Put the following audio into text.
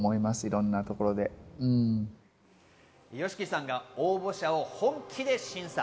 ＹＯＳＨＩＫＩさんが応募者を本気で審査。